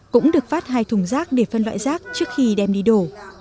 cũng được phát hai thùng rác để phân loại rác trước khi đem đi đổ